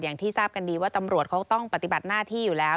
อย่างที่ทราบกันดีว่าตำรวจเขาต้องปฏิบัติหน้าที่อยู่แล้ว